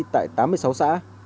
tại tám mươi sáu xã